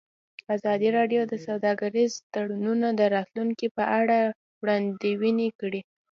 ازادي راډیو د سوداګریز تړونونه د راتلونکې په اړه وړاندوینې کړې.